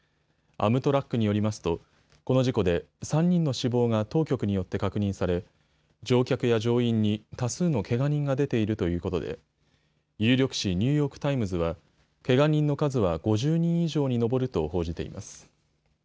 アムトラックによりますとこの事故で３人の死亡が当局によって確認され乗客や乗員に多数のけが人が出ているということで有力紙ニューヨーク・タイムズはけが人の数は５０人以上に上ると報じています。